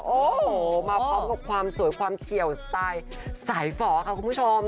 โอ้โหมาพร้อมกับความสวยความเฉียวสไตล์สายฝ่อค่ะคุณผู้ชม